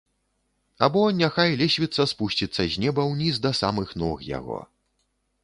Або няхай лесвіца спусціцца з неба ўніз да самых ног яго.